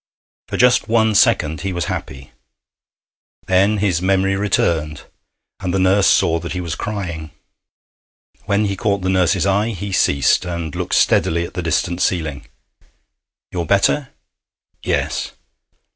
For just one second he was happy. Then his memory returned, and the nurse saw that he was crying. When he caught the nurse's eye he ceased, and looked steadily at the distant ceiling. 'You're better?' 'Yes.'